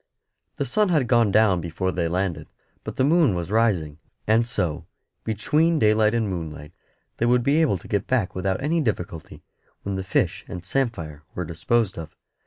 The sun had gone down before they landed; but the moon was rising; and so, between daylight and moonlight, they would be able to get back without any difficulty, when the fish and samphire were disposed of.